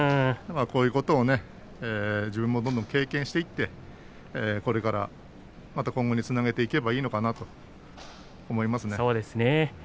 こういうことをけれどもどんどん経験していてこれからまた今後につなげていけばいいのかなと思いますね。